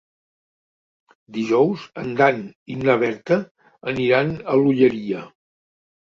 Dijous en Dan i na Berta aniran a l'Olleria.